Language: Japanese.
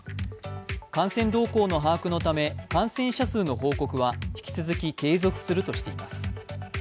感染動向の把握のため感染者数の報告は引き続き継続するとしています。